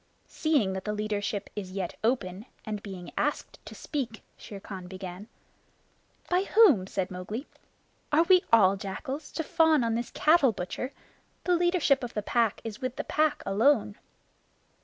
"Seeing that the leadership is yet open, and being asked to speak " Shere Khan began. "By whom?" said Mowgli. "Are we all jackals, to fawn on this cattle butcher? The leadership of the Pack is with the Pack alone."